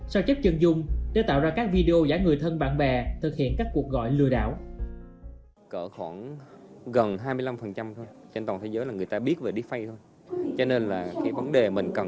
sao chép chân dung để tạo ra các video giả người thân bạn bè thực hiện các cuộc gọi lừa đảo